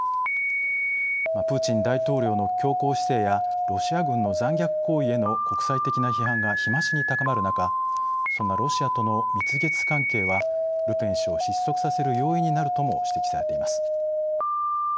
プーチン大統領の強硬姿勢やロシア軍の残虐行為への国際的な批判が日増しに高まる中そんなロシアとの蜜月関係はルペン氏を失速させる要因になるとも指摘されています。